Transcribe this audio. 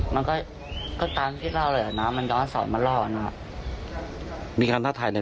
มันก็ก็ตามที่เราเลยอะน่ะมันย้อนสอนมารอนะมีการท้าทายใน